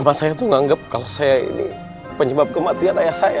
mama saya tuh nganggep kalau saya ini penyebab kematian ayah saya